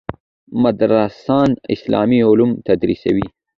مدرسان اسلامي علوم تدریسوي.